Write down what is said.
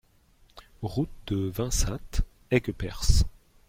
Route de Vensat, Aigueperse